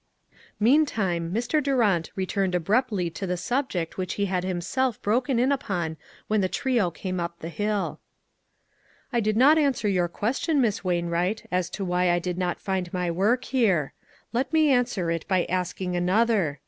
Meantime, Mr. Durant returned abruptly to the subject which he had himself broken in upon when the trio came up the hill. " I did not answer your question, Miss Wain wright, as to why I did not find my work here. Let me answer it by asking another.